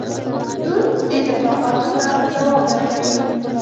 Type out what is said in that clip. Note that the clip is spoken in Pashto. دوی دې اطلاعاتو ته ځواب ورکوي.